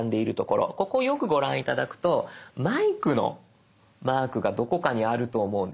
ここをよくご覧頂くとマイクのマークがどこかにあると思うんです。